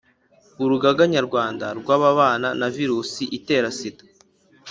Urugaga nyarwanda rw ababana na virusi itera sida